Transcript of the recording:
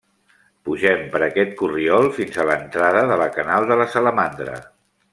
Pugem per aquest corriol fins a l'entrada de la Canal de la Salamandra.